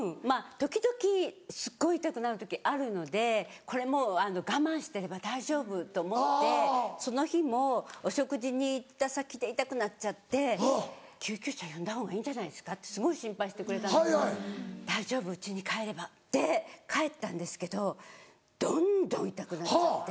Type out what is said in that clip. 時々すっごい痛くなる時あるのでこれも我慢してれば大丈夫と思ってその日もお食事に行った先で痛くなっちゃって「救急車呼んだ方がいいんじゃないですか」ってすごい心配してくれたんですけど「大丈夫うちに帰れば」って帰ったんですけどどんどん痛くなっちゃって。